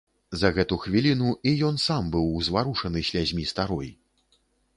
За гэту хвіліну і ён сам быў узварушаны слязьмі старой.